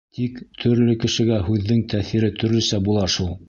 Тик төрлө кешегә һүҙҙең тәьҫире төрлөсә була шул.